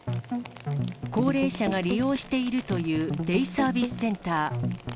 高齢者が利用しているというデイサービスセンター。